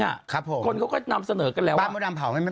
อ่ะครับผมคนเขาก็นำเสนอกันแล้วบ้านโมดำเผาไม่ไม่